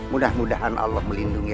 mudah mudahan allah melindungi